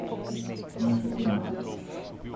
Rancho Queimado